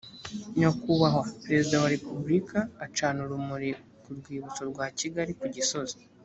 nyakubahwa perezida wa repubulika acana urumuri ku rwibutso rwa kigali ku gisozi.